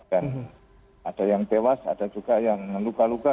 dan ada yang tewas ada juga yang luka luka